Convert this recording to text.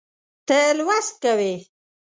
ته لوست کوې